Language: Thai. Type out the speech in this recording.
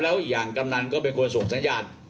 แล้วอีกอย่างกำนันก็เป็นคนส่งสัญญาณ